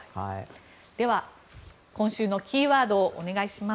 では、今週のキーワードをお願いします。